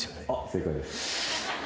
正解です。